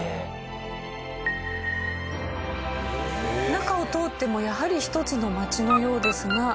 中を通ってもやはり１つの街のようですが。